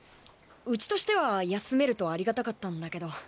うちとしては休めるとありがたかったんだけど。